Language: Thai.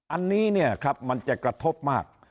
อันนี้เนี่ยครับมันจะกระทบมาก